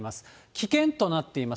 危険となっています。